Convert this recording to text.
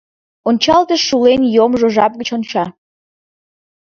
Ончалтыш шулен йомшо жап гыч конча.